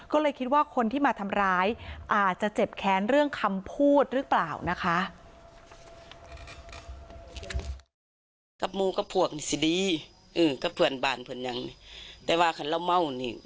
ก็เลยคิดว่าคนที่มาทำร้ายอาจจะเจ็บแค้นเรื่องคำพูดหรือเปล่านะคะ